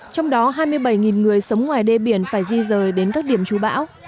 trong đó hai mươi bảy người sống ngoài đê biển phải di rời đến các điểm chú bão